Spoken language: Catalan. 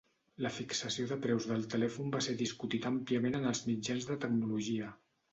La fixació de preus del telèfon va ser discutit àmpliament en els mitjans de tecnologia.